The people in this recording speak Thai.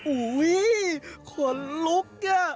อุ้ยคนลุกนี่